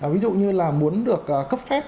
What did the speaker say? ví dụ như là muốn được cấp phép